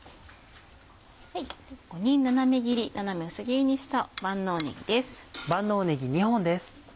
ここに斜め薄切りにした万能ねぎです。